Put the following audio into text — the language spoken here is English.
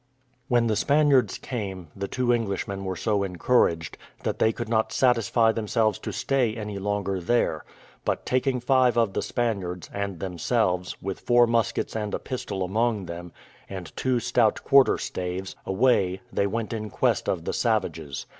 When the Spaniards came, the two Englishmen were so encouraged, that they could not satisfy themselves to stay any longer there; but taking five of the Spaniards, and themselves, with four muskets and a pistol among them, and two stout quarter staves, away they went in quest of the savages.